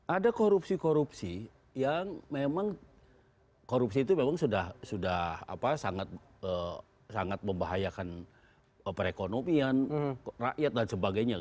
ada korupsi korupsi yang memang korupsi itu memang sudah sangat membahayakan perekonomian rakyat dan sebagainya